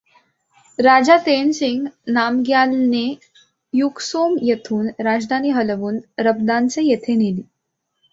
राजा तेनसिंग नामग्यालने युकसोम येथून राजधानी हलवून रबदानसे येथे नेली.